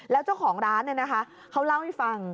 แล้วเจ้าของร้านเขาเล่าให้ฟัง